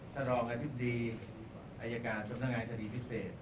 ท่านรองอธิบดีอายการสำนักงานคดีพิเศษ